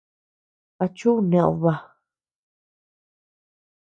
¿A chuu ned baa?